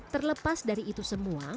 terlepas dari itu semua